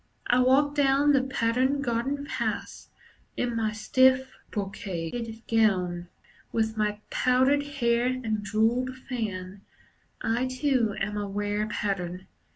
I walk down the patterned garden paths In my stiff, brocaded gown. With my powdered hair and jewelled fan, I too am a rare Pattern.